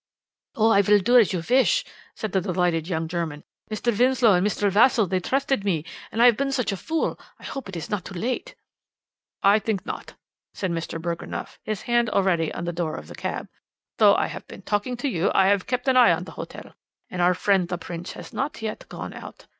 "'Oh, I will do as you wish,' said the delighted young German. 'Mr. Winslow and Mr. Vassall, they trusted me, and I have been such a fool. I hope it is not too late.' "'I think not,' said M. Burgreneff, his hand already on the door of the cab. 'Though I have been talking to you I have kept an eye on the hotel, and our friend the Prince has not yet gone out.